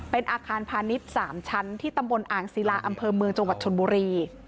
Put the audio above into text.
เป็นอาคารพาณิชย์๓ชั้นที่ตำบลอ่างศิลาอำเภอเมืองจังหวัดชนบุรี